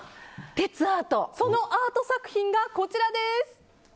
そのアート作品が、こちらです。